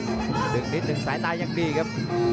ดึกนิดนิดหนึ่งชิบกูสตรงใจสายตายังดีครับ